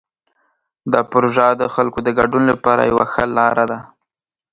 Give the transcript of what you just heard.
دا پروژه د خلکو د ګډون لپاره یوه ښه لاره ده.